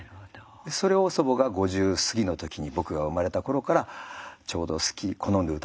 それを祖母が５０過ぎの時に僕が生まれた頃からちょうどすき好んでうたっていたので。